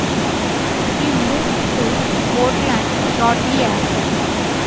He moved to Portland shortly after.